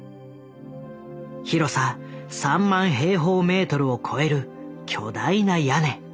広さ３万平方メートルを超える巨大な屋根。